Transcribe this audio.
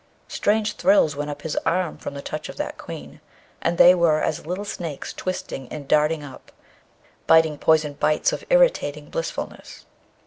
Strange thrills went up his arm from the touch of that Queen, and they were as little snakes twisting and darting up, biting poison bites of irritating blissfulness.